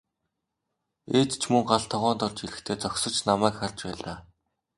Ээж ч мөн гал тогоонд орж ирэхдээ зогсож намайг харж байлаа.